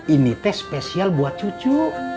ini teh spesial buat cucu